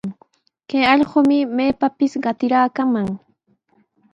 Kay allqumi maypapis qatiraakaman.